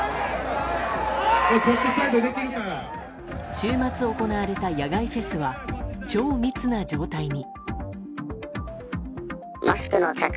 週末行われた野外フェスは超密な状態に。